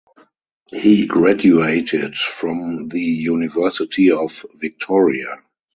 He graduated from the University of Victoria.